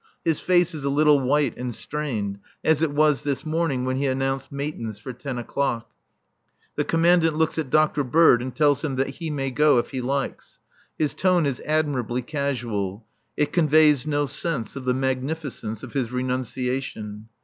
His face is a little white and strained, as it was this morning when he announced Matins for ten o'clock. The Commandant looks at Dr. Bird and tells him that he may go if he likes. His tone is admirably casual; it conveys no sense of the magnificence of his renunciation.